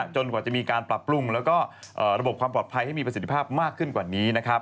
กว่าจะมีการปรับปรุงแล้วก็ระบบความปลอดภัยให้มีประสิทธิภาพมากขึ้นกว่านี้